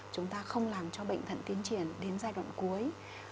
chúng ta không làm cho bệnh thận tiến triển đến giai đoạn cuối